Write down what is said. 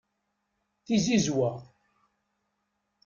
Tizizwa